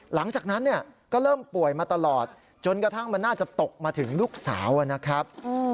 หลังจากนั้นเนี่ยก็เริ่มป่วยมาตลอดจนกระทั่งมันน่าจะตกมาถึงลูกสาวนะครับ